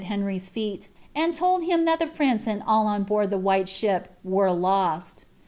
Henrr'a feel, and told him that the prince and all on board the wluu ahip Were lost.